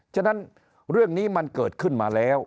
ฉะนั้นเรื่องนี้มันเกิดขึ้นมาแล้ว